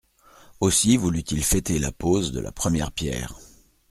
Aussi voulut-il fêter la pose de la première pierre.